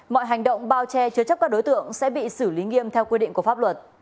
mọi hành động bao che chứa chấp các đối tượng sẽ bị xử lý nghiêm theo quy định của pháp luật